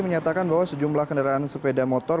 menyatakan bahwa sejumlah kendaraan sepeda motor